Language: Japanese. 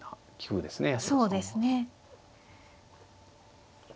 そうですね。